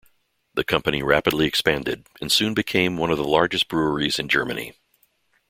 The company rapidly expanded and soon became one of the largest breweries in Germany.